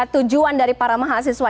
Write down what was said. tujuan dari para mahasiswa